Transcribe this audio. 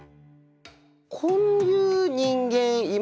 こういう人間いますか？